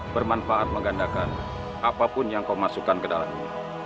bermanfaat menggandakan apapun yang kau masukkan ke dalam ini